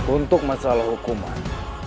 untuk masalah hukuman